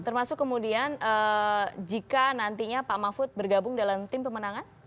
termasuk kemudian jika nantinya pak mahfud bergabung dalam tim pemenangan